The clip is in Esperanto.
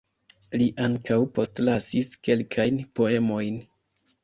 Li ankaŭ postlasis kelkajn poemojn.